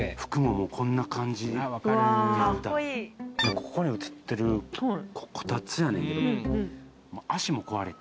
ここに写ってるこたつやねんけど。